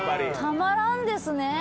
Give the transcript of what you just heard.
たまらんですね。